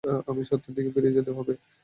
অতি সত্বর আমাকে ফিরে যেতে হবে।